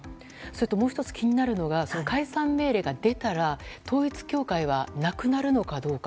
もう１つ気になるのが解散命令が出たら統一教会はなくなるのかどうか。